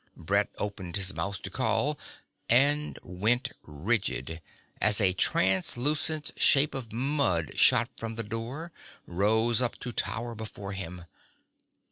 Brett opened his mouth to call and went rigid, as a translucent shape of mud shot from the door, rose up to tower before him.